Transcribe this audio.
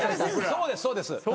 そうですそうです。